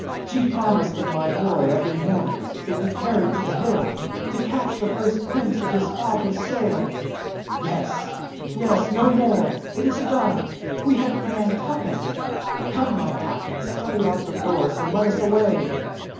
She promised that my boy, every morning, should be carried to the hill to catch the first glimpse of his father's sail! Yes, yes! no more! it is done! we head for Nantucket! Come, my Captain, study out the course, and let us away!